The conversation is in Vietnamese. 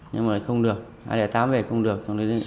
nhưng mà không được hai trăm linh tám về không được